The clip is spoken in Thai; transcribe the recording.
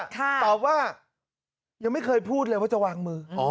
ตอบว่ายังไม่เคยพูดเลยว่าจะวางมือ